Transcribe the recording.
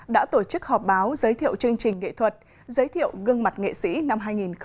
đã tổ chức họp báo giới thiệu chương trình nghệ thuật giới thiệu gương mặt nghệ sĩ năm hai nghìn một mươi chín